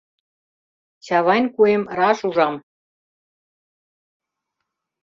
Чавайн куэм раш ужам.